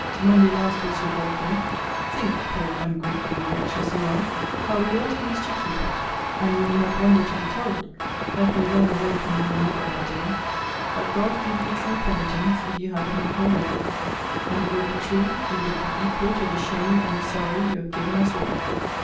Monday last was your birth day. Think, poor ungrateful wretch, as you are! how we all used to keep it; and you will not wonder to be told, that we ran away from one another that day. But God give you true penitence, if you have it not already! and it will be true, if it be equal to the shame and the sorrow you have given us all.